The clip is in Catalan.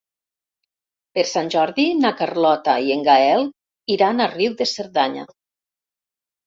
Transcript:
Per Sant Jordi na Carlota i en Gaël iran a Riu de Cerdanya.